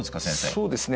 そうですね